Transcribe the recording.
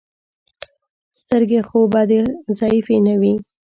سترګې خو به دې ضعیفې نه وي.